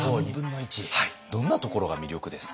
どんなところが魅力ですか？